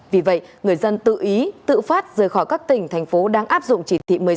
vì vậy người dân tự ý tự phát rời khỏi các tỉnh thành phố đang áp dụng chỉ thị một mươi sáu